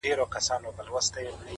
کاڼی مي د چا په لاس کي وليدی’